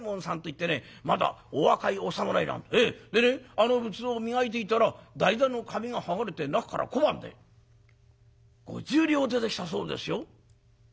あの仏像を磨いていたら台座の紙が剥がれて中から小判で五十両出てきたそうですよ」。